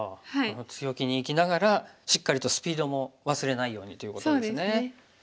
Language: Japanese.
強気に生きながらしっかりとスピードも忘れないようにということですね。